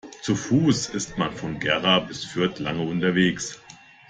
Zu Fuß ist man von Gera bis Fürth lange unterwegs